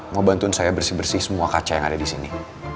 mau bantuin saya bersih bersih semua kaca yang ada di sini